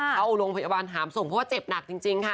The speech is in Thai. เข้าโรงพยาบาลหามส่งเพราะว่าเจ็บหนักจริงค่ะ